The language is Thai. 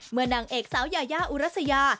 เมื่อนางเอกเสายาอุรัสยา